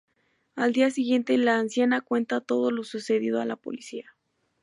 Al día siguiente la anciana cuenta todo lo sucedido a la policía.